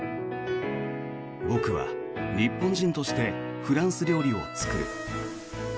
僕は日本人としてフランス料理を作る。